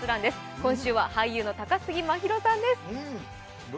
今週は俳優の高杉真宙さんです。